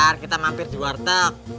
ntar kita mampir di warteg